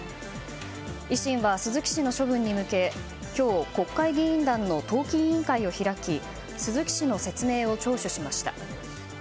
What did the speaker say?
維新は鈴木氏の処分に向けて今日、国会議員団の党紀委員会を開き鈴木氏の説明を聴取しました。